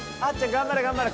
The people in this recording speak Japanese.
頑張れ頑張れ。